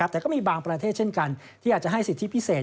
แต่ก็มีบางประเทศเช่นกันที่อาจจะให้สิทธิพิเศษ